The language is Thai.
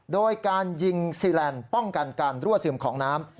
โดยการยิงซีแลนด์ป้องกันการรั่วซึมของน้ำ